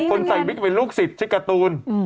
คนสายวิกเป็นลูกศิษย์ชีวิตกาตูน